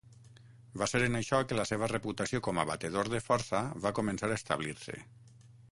Va ser en això que la seva reputació com a batedor de força va començar a establir-se.